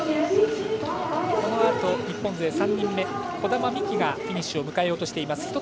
このあと日本勢３人目児玉美希がフィニッシュを迎えようとしています。